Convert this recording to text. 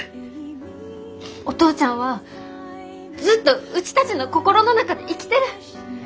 お父ちゃんはずっとうちたちの心の中で生きてる。